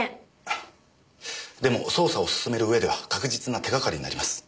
でも捜査を進める上では確実な手がかりになります。